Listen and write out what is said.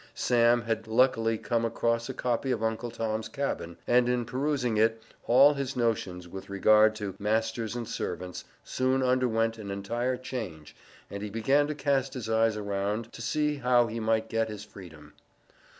"Sam" had luckily come across a copy of Uncle Tom's Cabin, and in perusing it, all his notions with regard to "Masters and Servants," soon underwent an entire change, and he began to cast his eyes around him to see how he might get his freedom.